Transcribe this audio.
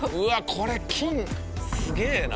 これ金すげえな。